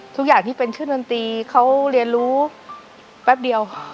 ทุกอย่างที่เป็นชื่อดนตรีเขาเรียนรู้แป๊บเดียว